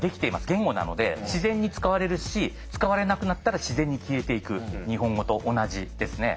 言語なので自然に使われるし使われなくなったら自然に消えていく日本語と同じですね。